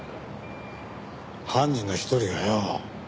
犯人の一人がよ